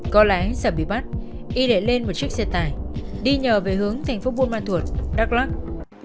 có lẽ sẽ bị bắt y để lên một chiếc xe tải đi nhờ về hướng thành phố buôn ma thuột đắk lắc